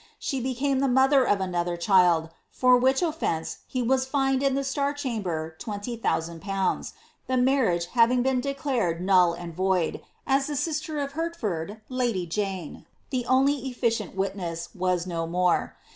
She became the mo ther of another child, for which offence he was fined in the star chamber 20.000/., the marriage having been declared null and void, as the sister of Hertford, lady Jane, the only efiicient witness, was no more.